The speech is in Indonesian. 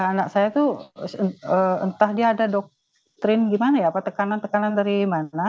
anak saya itu entah dia ada doktrin gimana ya apa tekanan tekanan dari mana